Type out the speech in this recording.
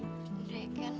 udah ya kan